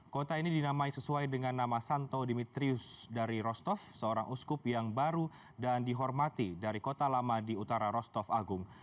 kota ini dinamai sesuai dengan nama santo dimitrius dari rostov seorang uskup yang baru dan dihormati dari kota lama di utara rostov agung